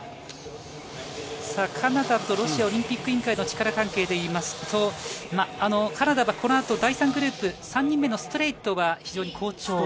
カナダとロシアオリンピック委員会の力関係でいうと、カナダはこのあと第３グループ、３人目のストレートは非常に好調。